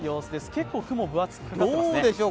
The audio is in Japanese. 結構雲が分厚くかかっていますね。